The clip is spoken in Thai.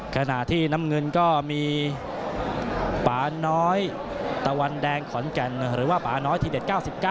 ขณะที่น้ำเงินก็มีป่าน้อยตะวันแดงขอนแก่นหรือว่าป่าน้อยทีเด็ด๙๙